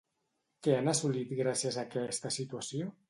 Què han assolit gràcies a aquesta situació?